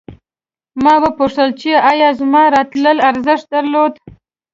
ما وپوښتل چې ایا زما راتلل ارزښت درلود